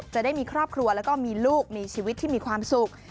จะได้มีครอบครัวแล้วก็มีลูกมีชีวิตที่มีความสุข